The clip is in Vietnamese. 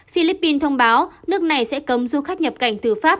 philippines thông báo nước này sẽ cấm du khách nhập cảnh từ pháp